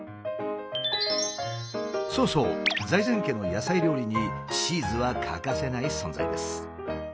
そうそう財前家の野菜料理にチーズは欠かせない存在です。